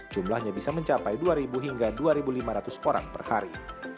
jumlahnya bisa mencapai dua hingga dua lima ratus orang per hari